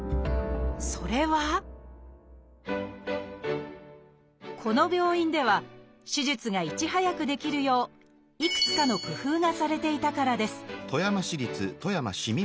それはこの病院では手術がいち早くできるよういくつかの工夫がされていたからです